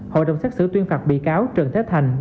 hội đồng xét xử tuyên phạt bị cáo trần thế thành